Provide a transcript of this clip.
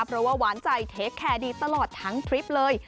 เพราะว่าหวานใจเทคแคร์ดีตลอดทั้งทริปเลย